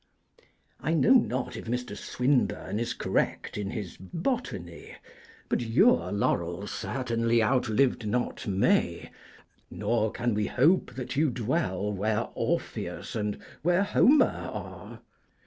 I know not if Mr. Swinburne is correct in his botany, but your laurel certainly outlived not May, nor can we hope that you dwell where Orpheus and where Homer are.